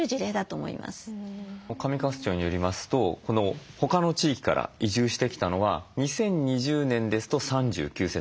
上勝町によりますと他の地域から移住してきたのは２０２０年ですと３９世帯。